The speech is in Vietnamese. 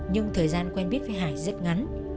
nhưng thời gian quen biết với hải rất ngắn